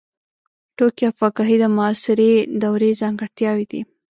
ټوکي او فکاهي د معاصرې دورې ځانګړتیاوې دي.